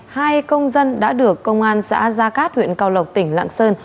hai công dân đã được công an xã gia cát huyện cao lộc tỉnh lạng sơn